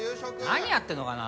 何やってんのかな